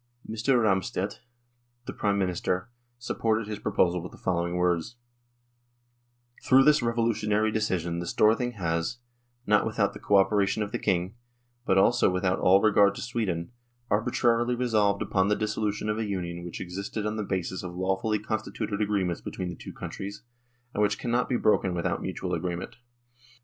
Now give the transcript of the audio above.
Mr. Ramstedt, the Prime Minister, supported his proposal with the following words :" Through this revolutionary decision the Storthing has, not only without the co operation of the King, but also without all regard to Sweden, arbitrarily resolved upon the dissolution of a Union which existed on the basis of lawfully constituted agree ments between the two countries, and which cannot be broken without mutual agreement.